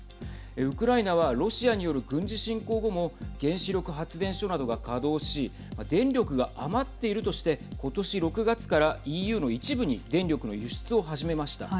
ウクライナはロシアによる軍事侵攻後も原子力発電所などが稼働し電力が余っているとして今年６月からＥＵの一部に電力の輸出を始めました。